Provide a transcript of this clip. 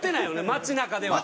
街なかでは。